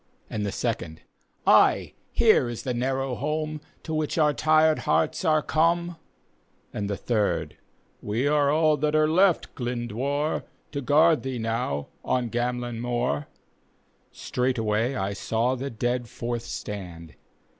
And the second, '•' Ay, here is the narrow home, To which our tired hearts are cornel " And the third, " We are all that are left, Glyndwr, To guard thee now on Gamellyn moor." Straightway I saw the dead forth stand.